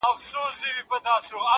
o د يو ښايستې سپيني كوتري په څېر،